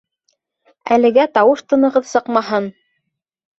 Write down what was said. Әлегә тауыш-тынығыҙ сыҡмаһын!